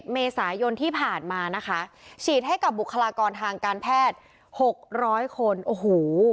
เมษายนที่ผ่านมานะคะฉีดให้กับบุคลากรทางการแพทย์๖๐๐คนโอ้โห